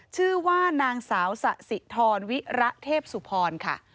ชื่อว่านางสาวสะสิทรวิระเทพสุพรค่ะ